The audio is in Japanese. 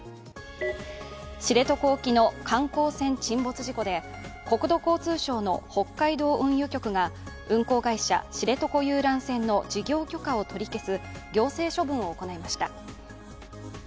知床沖の観光船沈没事故で国土交通省の北海道運輸局が運航会社、知床遊覧船の事業許可を取り消す行政処分を行いました。